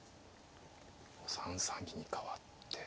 ３三銀に変わって。